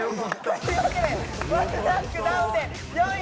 というわけで１ランクダウンで４位。